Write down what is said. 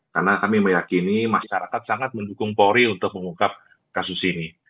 karena kami meyakini masyarakat sangat mendukung polri untuk mengungkap kasus ini